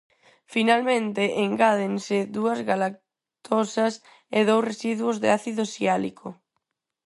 Finalmente engádense dúas galactosas e dous residuos de ácido siálico.